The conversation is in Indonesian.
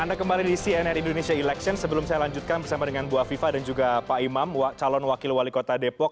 anda kembali di cnn indonesia election sebelum saya lanjutkan bersama dengan bu afifah dan juga pak imam calon wakil wali kota depok